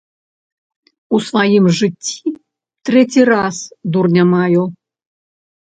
У сваім жыцці трэці раз дурня маю.